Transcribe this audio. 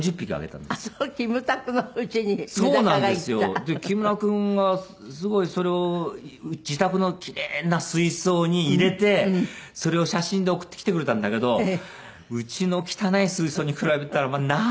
で木村君がすごいそれを自宅の奇麗な水槽に入れてそれを写真で送ってきてくれたんだけどうちの汚い水槽に比べたらなんて奇麗なオシャレな水槽でね。